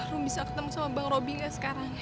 rum bisa ketemu sama bang robi gak sekarang